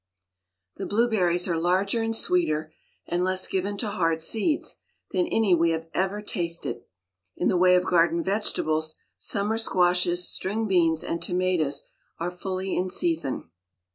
The blueberries are larger and sweeter, and less given to hard seeds, than any we have ever tasted. In the way of garden vegetables, summer squashes, string beans, and tomatoes are fully in season.